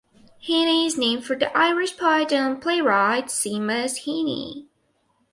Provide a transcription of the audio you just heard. Heaney is named for the Irish poet and playwright Seamus Heaney.